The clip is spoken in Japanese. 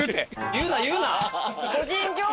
言うな言うな。